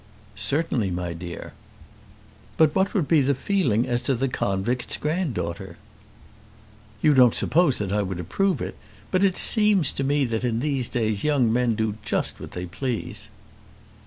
"Certainly, my dear." "But what would be the feeling as to the convict's granddaughter?" "You don't suppose that I would approve it; but it seems to me that in these days young men do just what they please."